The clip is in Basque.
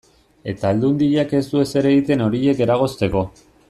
Eta Aldundiak ez du ezer egiten horiek eragozteko.